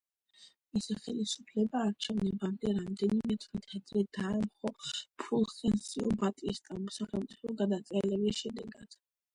მისი ხელისუფლება არჩევნებამდე რამდენიმე თვით ადრე დაამხო ფულხენსიო ბატისტამ სახელმწიფო გადატრიალების შედეგად.